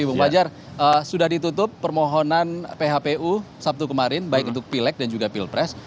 bung fajar sudah ditutup permohonan phpu sabtu kemarin baik untuk pilek dan juga pilpres